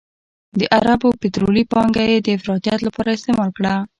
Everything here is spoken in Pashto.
د عربو پطرولي پانګه یې د افراطیت لپاره استعمال کړه.